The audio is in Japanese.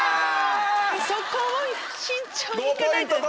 そこを慎重に行かないと。